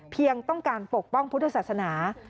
เพียงต้องการปกป้องพุทธศาสนา